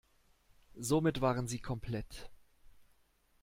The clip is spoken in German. Somit waren sie komplett.